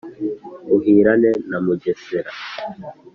uhirane na mugesera.